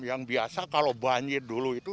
yang biasa kalau banjir dulu itu